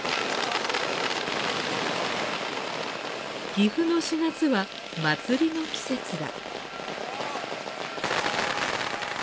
岐阜の４月は祭りの季節だ。